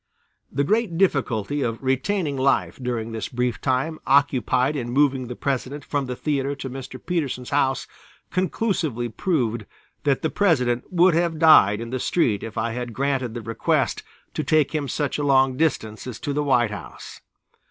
The great difficulty of retaining life during this brief time occupied in moving the President from the theatre to Mr. Petersen's house, conclusively proved that the President would have died in the street if I had granted the request to take him such a long distance as to the White House.